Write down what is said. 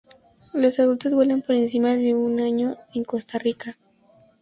Los adultos vuelan por encima de un año en Costa Rica.